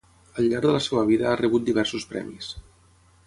Al llarg de la seva vida ha rebut diversos premis.